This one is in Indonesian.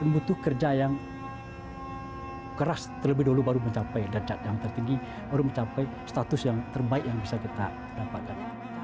butuh kerja yang keras terlebih dahulu baru mencapai dan cat yang tertinggi baru mencapai status yang terbaik yang bisa kita dapatkan